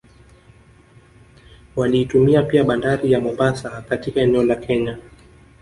Waliitumia pia Bandari ya Mombasa katika eneo la Kenya